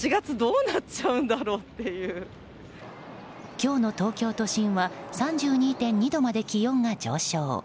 今日の東京都心は３２．２度まで気温が上昇。